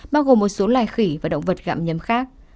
bao gồm một số loài khỉ và động vật gạm nhấm khác